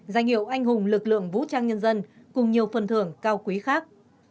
danh hiệu anh hùng lực lượng vũ trang nhân dân cùng nhiều phần thưởng cao quý khác